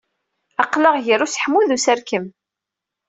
Aql-aɣ ger useḥmu d userkem.